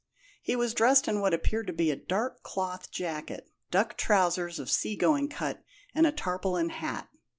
He was dressed in what appeared to be a dark cloth jacket, duck trousers of sea going cut, and a tarpaulin hat.